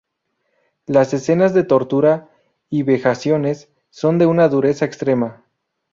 Las escenas de tortura y vejaciones son de una dureza extrema.